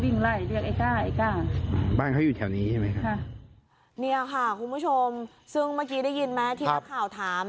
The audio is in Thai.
เนี่ยค่ะคุณผู้ชมซึ่งเมื่อกี้ได้ยินไหมทีละข่าวถาม